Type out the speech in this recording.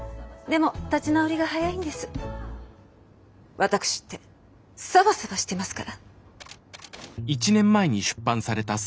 ワタクシってサバサバしていますから。